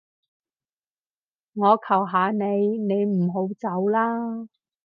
我求下你，你唔好走啦